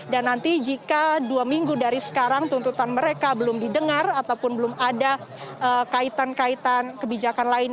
dan nanti jika dua minggu dari sekarang tuntutan mereka belum didengar ataupun belum ada kaitan kaitan kebijakan lain